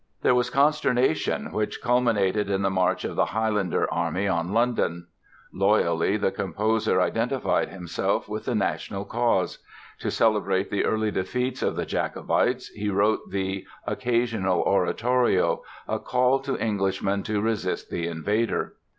There was consternation which culminated in the march of the Highlander army on London. Loyally, the composer identified himself with the national cause; to celebrate the early defeats of the Jacobites he wrote the "Occasional Oratorio", a call to Englishmen to resist the invader.